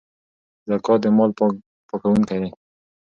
زکات د مال پاکونکی دی.